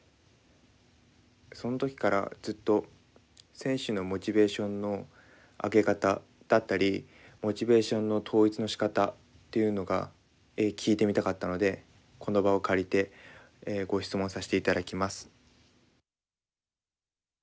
その時からずっと選手のモチベーションの上げ方だったりモチベーションの統一のしかたっていうのが聞いてみたかったのでこの場を借りてご質問させて頂きます。